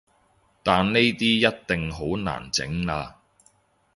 但呢啲一定好難整喇